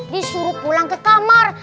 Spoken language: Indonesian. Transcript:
disuruh pulang ke kamar